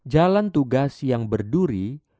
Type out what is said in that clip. jalan tugas yang berduri